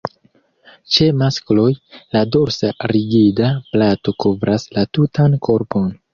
Ĉe maskloj, la dorsa rigida plato kovras la tutan korpon.